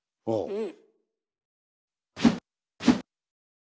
うん。